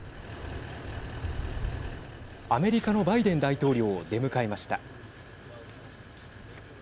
アメリカのバイデン大統領を出迎えました。